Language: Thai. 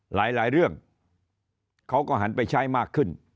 หลายเรื่องเขาก็หันไปใช้มากขึ้น